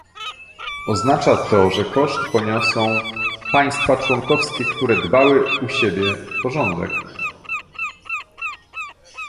Oznacza to, że koszt poniosą państwa członkowskie, które dbały u siebie o porządek